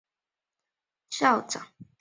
吴德耀博士接任第二任校长。